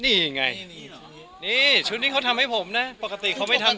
นี่ไงนี่ชุดนี้เขาทำให้ผมนะปกติเขาไม่ทำ